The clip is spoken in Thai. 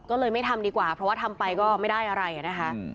ก็เลยไม่ทำดีกว่าเพราะว่าทำไปก็ไม่ได้อะไรนะคะ